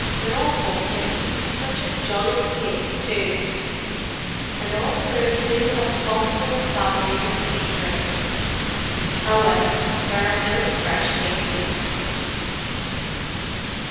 An awful pity; such a jolly kid, too. And all through two abominable families of tinkers! However, there are no fresh cases."